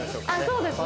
そうですね。